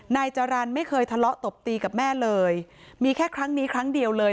นายจรรย์ไม่เคยทะเลาะตบตีกับแม่เลยมีแค่ครั้งนี้ครั้งเดียวเลย